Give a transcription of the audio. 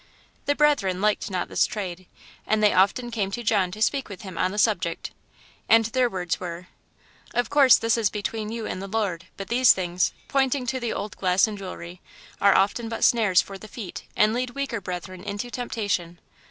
The Brethren liked not this trade, and they often came to John to speak with him on the subject, and their words were "Of course this is between you and the Lord, but these things" (pointing to the old glass and jewellery) "often are but snares for the feet, and lead weaker brethren into temptation.